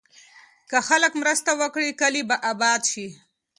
که خلک مرسته وکړي، کلي به اباد شي.